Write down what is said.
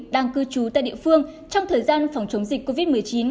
đang cư trú tại địa phương trong thời gian phòng chống dịch covid một mươi chín